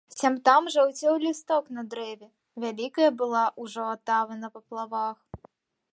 Сям-там жаўцеў лісток на дрэве, вялікая была ўжо атава на паплавах.